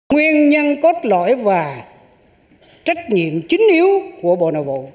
nguyên nhân cốt lõi và trách nhiệm chính yếu của bộ nội vụ